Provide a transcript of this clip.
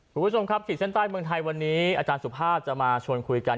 คุณผู้ชมครับขีดเส้นใต้เมืองไทยวันนี้อาจารย์สุภาพจะมาชวนคุยกัน